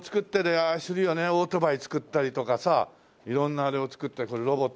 オートバイ作ったりとかさ色んなあれを作ってロボットの。